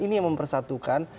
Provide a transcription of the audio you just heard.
ini yang mempersatukan